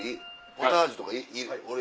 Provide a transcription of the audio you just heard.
ポタージュとかいい？